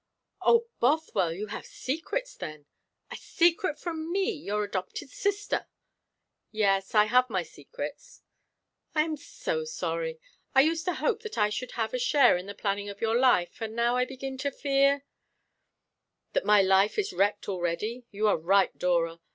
"O Bothwell, you have secrets, then a secret from me, your adopted sister!" "Yes, I have my secrets." "I am so sorry. I used to hope that I should have a share in the planning of your life; and now I begin to fear " "That my life is wrecked already. You are right, Dora.